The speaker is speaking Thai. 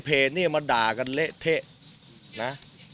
เนี่ยมาด่ากันเละเทะนะ